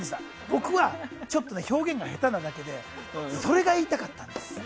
僕は表現が下手なだけでそれが言いたかったんです。